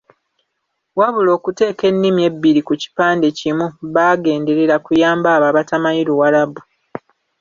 Wabula okuteeka ennimi ebbiri ku kipande kimu baagenderera kuyamba abo abatamanyi Luwarabu.